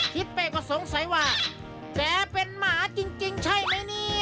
ทิศเป้ก็สงสัยว่าแกเป็นหมาจริงใช่ไหมเนี่ย